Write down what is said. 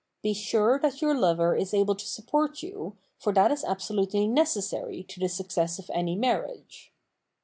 Be sure that your lover is able to support you, for that is absolutely necessary to the success of any marriage.